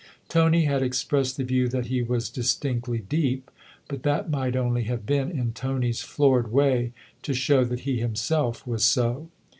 Tony had expressed the view that he was distinctly deep, but that might only have been, in Tony's florid way, to show that he himself was so.